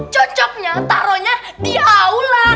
cocoknya taronya di aula